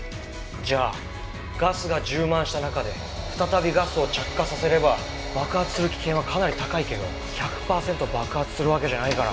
じゃあガスが充満した中で再びガスを着火させれば爆発する危険はかなり高いけど１００パーセント爆発するわけじゃないから。